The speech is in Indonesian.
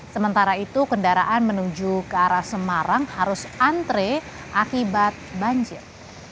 sementara itu kendaraan menuju ke arah semarang harus antre akibat banjir